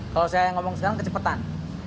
kalau saya ngomong sekarang kecepatan